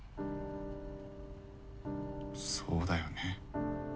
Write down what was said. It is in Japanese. そうだよね。